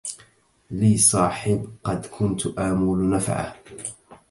لي صاحب قد كنت آمل نفعه